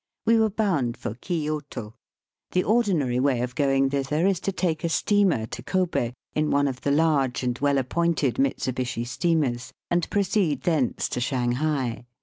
We were bound for Kioto. The ordinary way of going thither is to take a steamer to Kobe in one of the large and well appointed Mitsu Bishi steamers, and proceed thence to Shanghai.